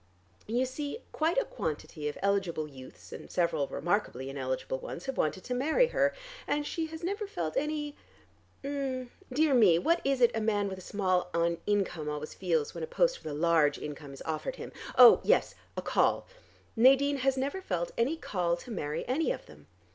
You see, quite a quantity of eligible youths and several remarkably ineligible ones have wanted to marry her, and she has never felt any dear me, what is it a man with a small income always feels when a post with a large income is offered him oh, yes, a call: Nadine has never felt any call to marry any of them.